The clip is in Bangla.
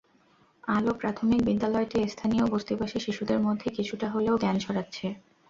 আলো প্রাথমিক বিদ্যালয়টি স্থানীয় বস্তিবাসী শিশুদের মধ্যে কিছুটা হলেও জ্ঞান ছড়াচ্ছে।